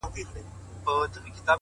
o كبرجن وو ځان يې غوښـتى پــه دنـيـا كي،